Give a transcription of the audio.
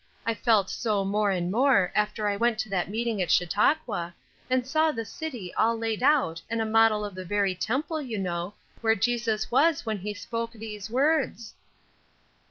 I felt so more and more, after I went to that meeting at Chautauqua, and saw the city all laid out and a model of the very temple, you know, where Jesus was when he spoke these words."